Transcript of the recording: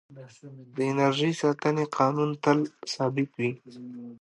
د انرژۍ ساتنې قانون تل ثابت وي.